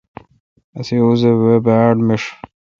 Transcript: اسے اوزہ وے باڑ میݭ۔